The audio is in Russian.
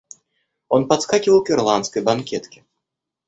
Он подскакивал к ирландской банкетке.